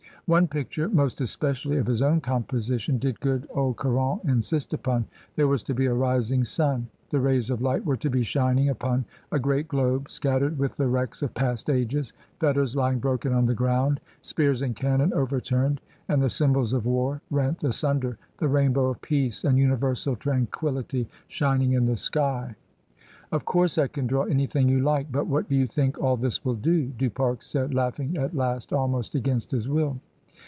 One picture most especially of his own composition did good old Caron insist upon. There was to be a rising sun; the rays of light were to be shining upon a great globe scat tered with the wrecks of past ages, fetters lying broken on the ground, spears and cannon over turned, and the symbols of war rent asunder, the rainbow of peace and universal tranquillity shining in the sky. "Of course I can draw anything you like, but what do you think all this will do?" Du Pare said, laughing at last almost against his will.